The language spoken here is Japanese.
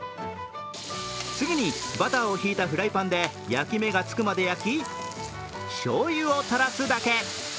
次にバターを引いたフライパンで焼き目がつくまで焼き、しょうゆを垂らすだけ。